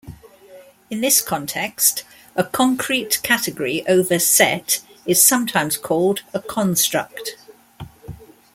In this context, a concrete category over Set is sometimes called a "construct".